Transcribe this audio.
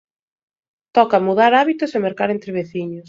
Toca mudar hábitos e mercar entre veciños.